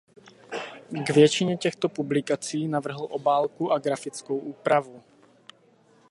K většině těchto publikací navrhl obálku a grafickou úpravu.